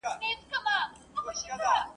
کله به ریشتیا سي، وايي بله ورځ ..